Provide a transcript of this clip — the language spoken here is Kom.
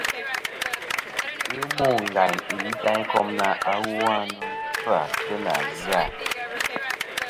Ghɨ mô ngàyn î lì Itaŋikom na, "awu a nɨn fɨ-à kɨ nà zɨ-à.”.